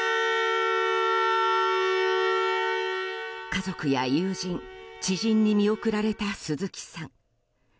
家族や友人、知人に見送られた鈴木さん。